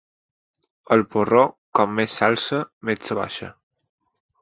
El porró, com més s'alça, més s'abaixa.